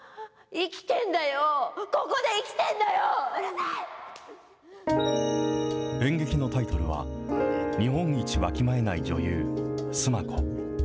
生きてんだよ、ここで、生きてん演劇のタイトルは、日本一わきまえない女優スマコ。